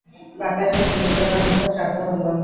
বাতাসে শিষ দেবার মতো শব্দ হলো।